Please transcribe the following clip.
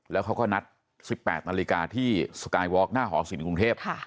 แล้วเขาก็นัด๑๘นาฬิกาที่สกายวอร์กหน้าหอศิลปกรุงเทพ